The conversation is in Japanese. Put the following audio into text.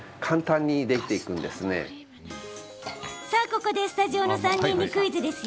ここでスタジオの３人にクイズ。